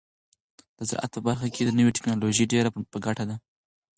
د زراعت په برخه کې نوې ټیکنالوژي ډیره په ګټه ده.